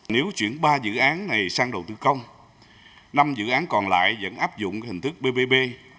nếu chuyển ba dự án này sang đầu tư công năm dự án còn lại vẫn áp dụng hình thức bbb